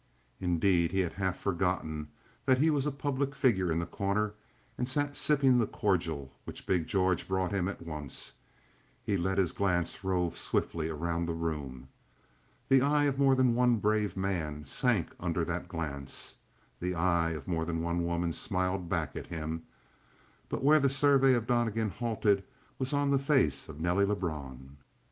Indeed, he had half forgotten that he was a public figure in The Corner, and sitting sipping the cordial which big George brought him at once, he let his glance rove swiftly around the room. The eye of more than one brave man sank under that glance; the eye of more than one woman smiled back at him; but where the survey of Donnegan halted was on the face of Nelly Lebrun.